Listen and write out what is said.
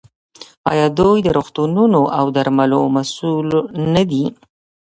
آیا دوی د روغتونونو او درملو مسوول نه دي؟